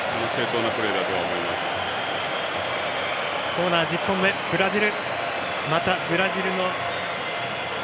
コーナー、１０本目ブラジル。